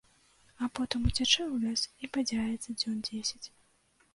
А потым уцячэ ў лес і бадзяецца дзён дзесяць.